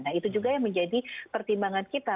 nah itu juga yang menjadi pertimbangan kita